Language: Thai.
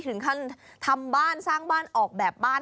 ถึงขั้นทำบ้านสร้างบ้านออกแบบบ้าน